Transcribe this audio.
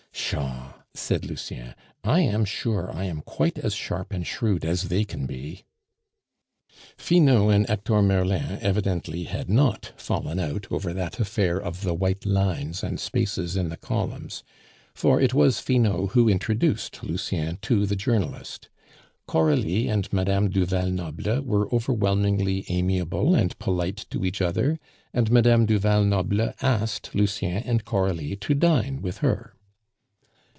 "Pshaw!" said Lucien. "I am sure I am quite as sharp and shrewd as they can be." Finot and Hector Merlin evidently had not fallen out over that affair of the white lines and spaces in the columns, for it was Finot who introduced Lucien to the journalist. Coralie and Mme. du Val Noble were overwhelmingly amiable and polite to each other, and Mme. du Val Noble asked Lucien and Coralie to dine with her.